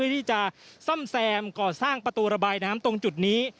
ที่จะซ่อมแซมก่อสร้างประตูระบายน้ำตรงจุดนี้